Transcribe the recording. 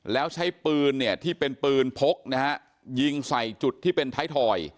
แล้วใช้ปืนเนี่ยที่เป็นปืนพกนะฮะยิงใส่จุดที่เป็นไทยทอย